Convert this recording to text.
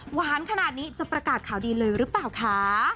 หวานขนาดนี้จะประกาศข่าวดีเลยหรือเปล่าคะ